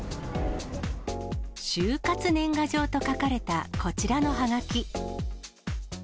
終活年賀状と書かれた、こちらのはがき。